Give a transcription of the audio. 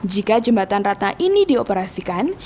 jika jembatan ratna ini dioperasikan